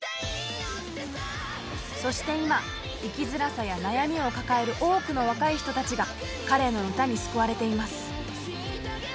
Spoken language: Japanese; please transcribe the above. そして今生きづらさや悩みを抱える多くの若い人たちが彼の歌に救われています。